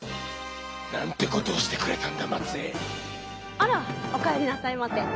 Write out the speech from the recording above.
あらお帰りなさいませ。